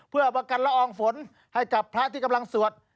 เพื่อประกันละอองฝนให้กับพระที่กำลังสวด